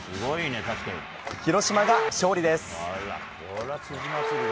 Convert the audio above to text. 広島が勝利です。